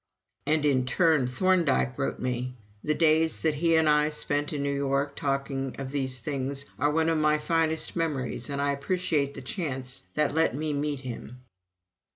(And in turn Thorndike wrote me: "The days that he and I spent together in New York talking of these things are one of my finest memories and I appreciate the chance that let me meet him.")